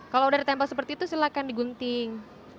kalau udah ditempel seperti itu silakan digunting